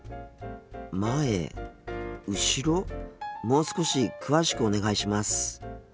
もう少し詳しくお願いします。